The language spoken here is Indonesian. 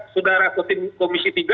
sudah rakutin komisi tiga